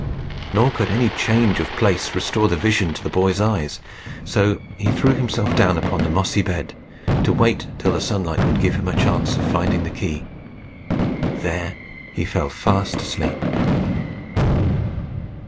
Nor could any change of place restore the vision to the boy's eyes. So he threw himself down upon the mossy bed, to wait till the sunlight would give him a chance of finding the key. There he fell fast asleep.